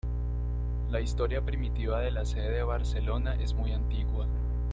La historia primitiva de la sede de Barcelona es muy antigua.